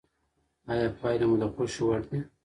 آیا پایلې مو د خوښې وړ دي؟